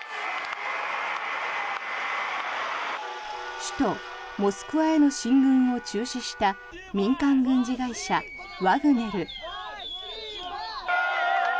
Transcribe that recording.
首都モスクワへの進軍を中止した民間軍事会社ワグネル。